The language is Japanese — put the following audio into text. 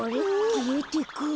きえてく。